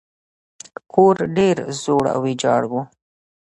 کور ډیر زوړ او ویجاړ و.